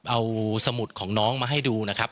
เอาสมุดของน้องมาให้ดูนะครับ